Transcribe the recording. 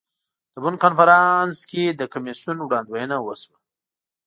د بن کنفرانس کې د کمیسیون وړاندوینه وشوه.